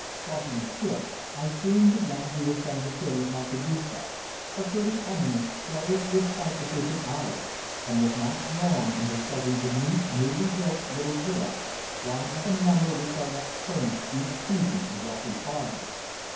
Crossing the brook I soon began to ascend the hill of Montaguto a pretty eminence clothed with cypresses and olives and was not long in discovering the neat, newly built little villa, one of a number which are let furnished each season to wealthy foreigners.